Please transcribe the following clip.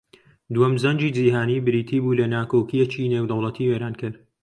دووەم جەنگی جیھانی بریتی بوو لە ناکۆکییەکی نێودەوڵەتی وێرانکەر